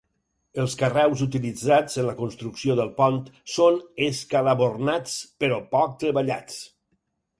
Els carreus utilitzats en la construcció del pont són escalabornats però poc treballats.